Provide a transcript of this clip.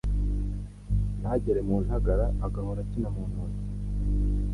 Ntagere mu ntagara Agahora akina mu ntoke